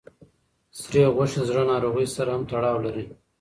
سرې غوښې د زړه ناروغۍ سره هم تړاو لري.